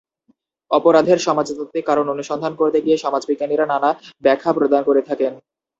অপরাধের সমাজতাত্ত্বিক কারণ অনুসন্ধান করতে গিয়ে সমাজবিজ্ঞানীরা নানা ব্যাখ্যা প্রদান করে থাকেন।